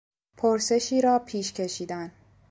پرسشی را پیش کشیدن